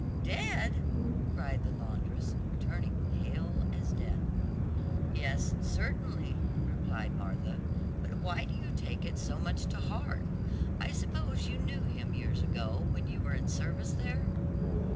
"Dead!" cried the laundress, turning pale as death. "Yes, certainly," replied Martha; "but why do you take it so much to heart? I suppose you knew him years ago, when you were in service there?"